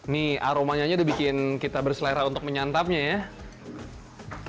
nih aromanya sudah bikin kita berselera untuk menyantapnya ya